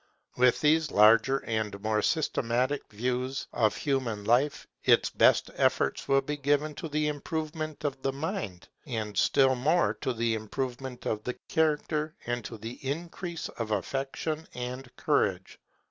With these larger and more systematic views of human life, its best efforts will be given to the improvement of the mind, and still more to the improvement of the character and to the increase of affection and courage.